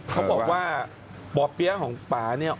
เขาบอกว่าปลอเปี้ยของป๊าเนี้ย